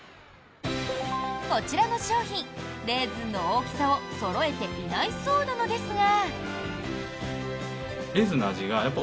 こちらの商品レーズンの大きさをそろえていないそうなのですが。